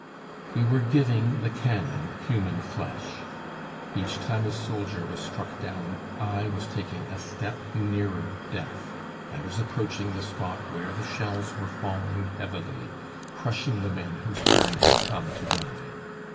We were giving the cannon human flesh. Each time a soldier was struck down, I was taking a step nearer death, I was approaching the spot where the shells were falling heavily, crushing the men whose turn had come to die.